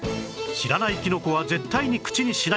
知らないキノコは絶対に口にしない